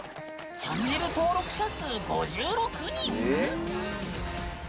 チャンネル登録者数５６人？